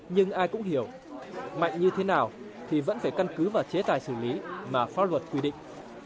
nhưng ai cũng hiểu mạnh như thế nào thì vẫn phải căn cứ vào chế tài xử lý mà pháp luật quy định